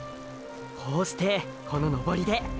こうしてこの登りで！